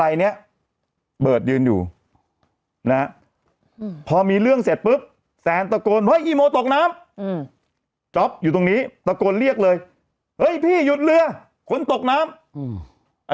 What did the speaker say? อ่าอ่าอ่าอ่าอ่าอ่าอ่าอ่าอ่าอ่าอ่าอ่าอ่าอ่าอ่าอ่าอ่าอ่า